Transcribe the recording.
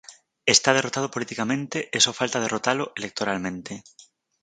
Está derrotado politicamente e só falta derrotalo electoralmente.